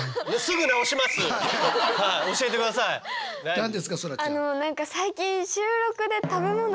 何ですかそらちゃん。